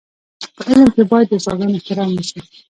په علم کي باید د استادانو احترام وسي.